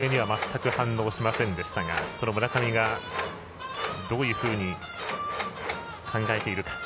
山田は低めには全く反応しませんでしたが村上がどういうふうに考えているか。